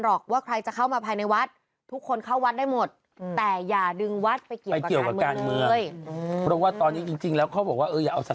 หรอกว่าใครจะเข้ามาภายในวัดทุกคนเข้าวัดได้หมดแต่อย่า